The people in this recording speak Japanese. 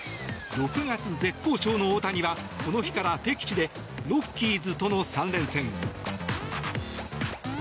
６月絶好調の大谷はこの日から敵地でロッキーズとの３連戦。